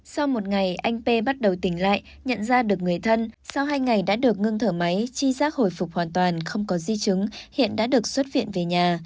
sau một ngày anh p bắt đầu tỉnh lại nhận ra được người thân sau hai ngày đã được ngưng thở máy chi giác hồi phục hoàn toàn không có di chứng hiện đã được xuất viện về nhà